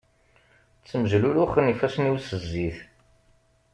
Ttmejluluxen ifassen-iw s zzit.